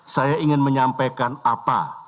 saya ingin menyampaikan apa